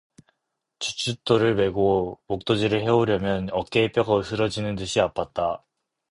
주춧돌을 메고 목도질을 해오려면 어깨의 뼈가 으스러지는 듯이 아팠다.